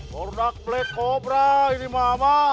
kordak black cobra ini mama